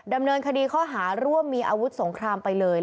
ดำเนินคดีข้อหาร่วมมีอาวุธสงครามไปเลย